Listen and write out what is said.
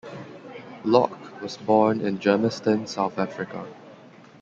Locke was born in Germiston, South Africa.